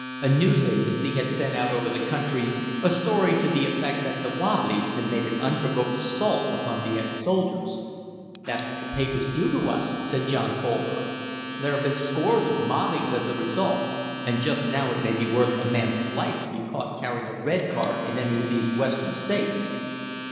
A news agency had sent out over the country a story to the effect that the "wobblies" had made an unprovoked assault upon the ex soldiers. "That's what the papers do to us!" said John Colver. "There have been scores of mobbings as a result, and just now it may be worth a man's life to be caught carrying a red card in any of these Western states."